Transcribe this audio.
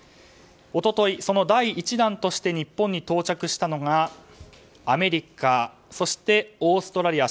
おととい、その第１弾として日本に到着したのがアメリカ、オーストラリア